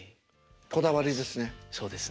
こだわりですね。